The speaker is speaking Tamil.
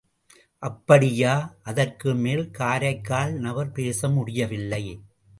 அப்படியா?... அதற்கு மேல் காரைக்கால் நபர் பேச முடிய வில்லை.